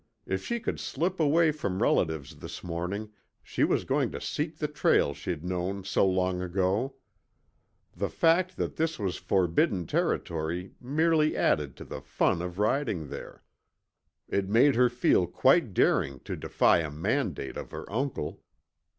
If she could slip away from relatives this morning, she was going to seek the trail she'd known so long ago. The fact that this was forbidden territory merely added to the fun of riding there. It made her feel quite daring to defy a mandate of her uncle.